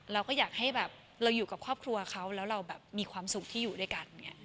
เราก็อยากให้แบบเราอยู่กับครอบครัวเขาแล้วเราแบบมีความสุขที่อยู่ด้วยกันอย่างนี้